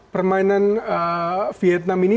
permainan vietnam ini